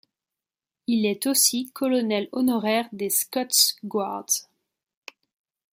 Il est aussi colonel honoraire des Scots Guards.